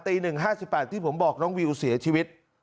๑๕๘ที่ผมบอกน้องวิวเสียชีวิต